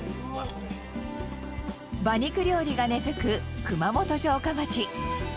馬肉料理が根付く熊本城下町。